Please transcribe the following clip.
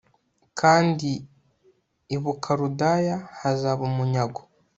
Kandi i Bukaludaya hazaba umunyago